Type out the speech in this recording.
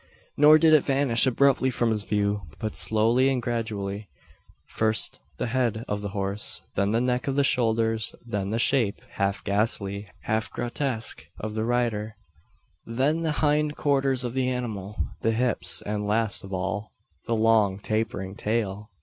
Nor did it vanish abruptly from his view; but slowly and gradually: first the head of the horse; then the neck and shoulders; then the shape, half ghastly, half grotesque, of the rider; then the hind quarters of the animal; the hips; and last of all the long tapering tail!